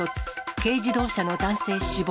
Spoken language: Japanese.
軽自動車の男性死亡。